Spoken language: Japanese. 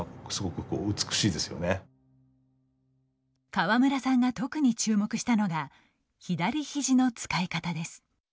川村さんが特に注目したのが左ひじの使い方です。